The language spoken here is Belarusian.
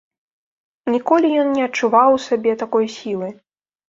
Ніколі ён не адчуваў у сабе такой сілы.